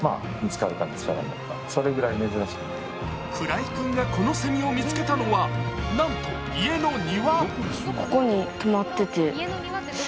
鞍井くんがこのせみを見つけたのは、なんと家の庭。